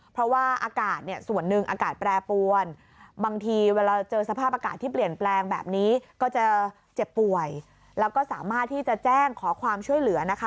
ป่วยแล้วก็สามารถที่จะแจ้งขอความช่วยเหลือนะคะ